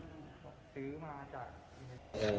สือมาจากกเอฮ